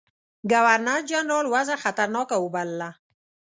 ګورنرجنرال وضع خطرناکه وبلله.